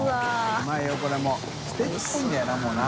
Δ泙いこれもステーキっぽいんだよなもうな。